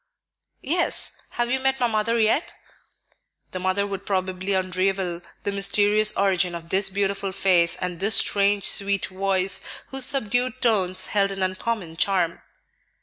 "Yes. Have you met my mother yet?" The mother would probably unravel the mysterious origin of this beautiful face and this strange, sweet voice, whose subdued tones held an uncommon charm.